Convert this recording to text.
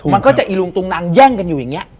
มันก็จะอีลุงตุงนังแย่งกันอยู่อย่างนี้